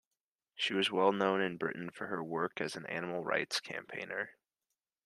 She was well known in Britain for her work as an animal rights campaigner.